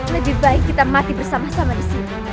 lebih baik kita mati bersama sama disini